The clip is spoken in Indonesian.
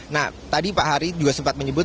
nah tadi pak hari juga sempat menyebut